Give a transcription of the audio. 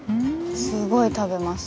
すごい食べます。